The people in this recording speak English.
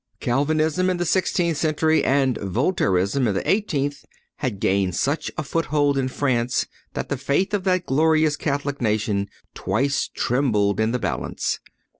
Calvinism in the sixteenth century and Voltaireism in the eighteenth had gained such a foothold in France that the faith of that glorious Catholic nation twice trembled in the balance.